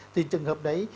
thì trường hợp đấy